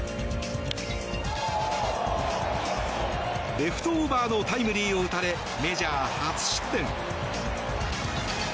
レフトオーバーのタイムリーを打たれ、メジャー初失点。